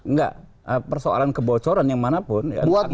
nggak persoalan kebocoran yang manapun